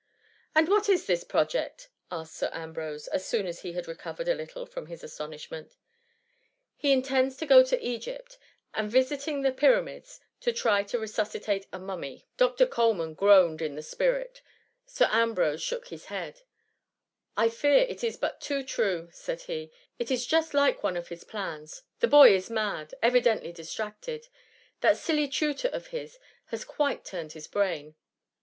*^ And what is this project ?" asked Sir Am brose, as soon as he had recovered a little from his astonishment, He intends to go to Egypt, and visiting the Pyramids, to try to resuscitate a mummy !'* THE MUMMY. 186 Dr. Coleman groaned in the spirit : Sir Am brose shook his head* " I fear it is but too true, said he, *'* it is just like one of his plans. The boy is mad ; evidently distracted : that silly tutor of his has quite turned his brain.